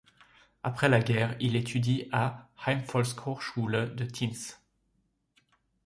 Après la guerre, il étudie à la Heimvolkshochschule de Tinz.